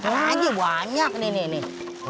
bagi bagi banyak nih nih